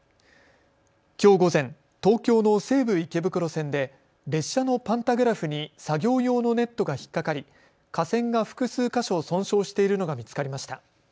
きょう午前東京の西武池袋線で列車のパンタグラフに作業用のネットが引っかかり架線が複数箇所損傷しているのが見つかりました。